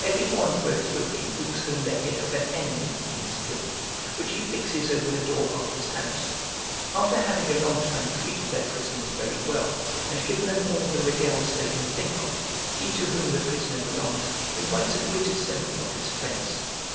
Every one for a trophy brings home the head of an enemy he has killed, which he fixes over the door of his house. After having a long time treated their prisoners very well, and given them all the regales they can think of, he to whom the prisoner belongs, invites a great assembly of his friends.